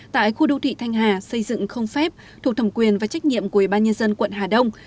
tại khu đô thị thanh hà xây dựng không phép thuộc thẩm quyền và trách nhiệm của ubnd quận hà đông